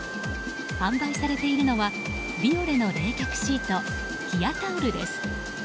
販売されているのはビオレの冷却シート冷タオルです。